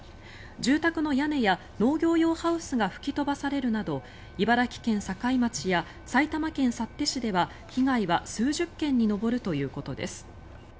住宅の屋根や農業用ハウスが吹き飛ばされるなど茨城県境町や埼玉県幸手市では被害は数十件に上るということです。